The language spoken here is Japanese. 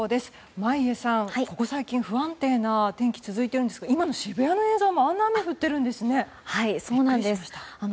眞家さん、ここ最近不安定な天気が続いてるんですが今の渋谷の映像あんなに雨が降ってるんですね。